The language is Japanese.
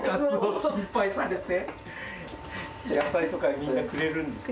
野菜とかみんなくれるんです。